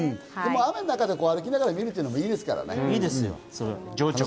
雨の中、歩きながら見るのもいいですけどね。